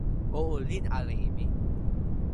o olin ala e mi!